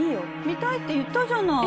見たいって言ったじゃない。